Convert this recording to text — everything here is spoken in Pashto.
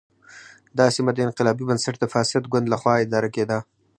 دا سیمه د انقلابي بنسټ د فاسد ګوند له خوا اداره کېده.